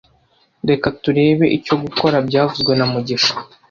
Reka turebe icyo gukora byavuzwe na mugisha